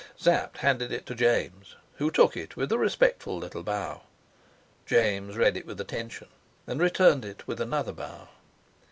Sapt handed it to James, who took it with a respectful little bow. James read it with attention, and returned it with another bow.